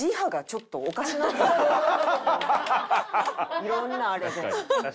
いろんなあれで。